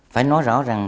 phải nói rõ rằng